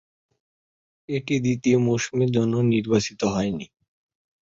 এটি দ্বিতীয় মৌসুমের জন্য নির্বাচিত হয়নি।